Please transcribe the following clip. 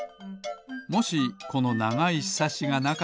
もしこのながいひさしがなかったら。